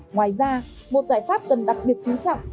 ngoài ra một giải pháp cần đặc biệt chú trọng